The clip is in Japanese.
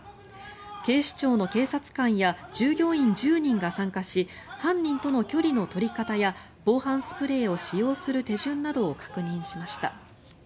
警視庁の警察官や従業員１０人が参加し犯人との距離の取り方や防犯スプレーを使用する手順などを確認しました。